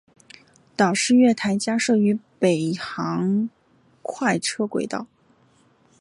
岛式月台加设于北行快车轨道。